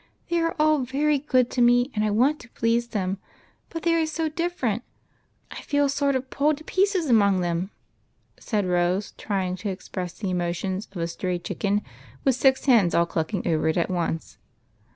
They are all very good to me, and I want to please them ; but they are so different, I feel sort of pulled to pieces among them," said Rose, trying to express the emotions of a stray chicken with six hens all clucking over it at once.